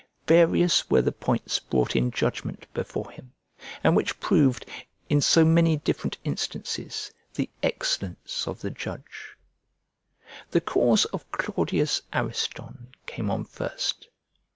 Various were the points brought in judgment before him, and which proved, in so many different instances, the excellence of the judge. The cause of Claudius Ariston came on first.